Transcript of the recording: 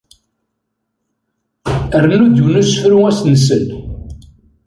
Rnu-d yiwen n usefru ad as-nsel.